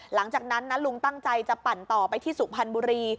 หลังจากนั้นนะลุงตั้งใจจะปั่นต่อไปที่สุพรรณบุรี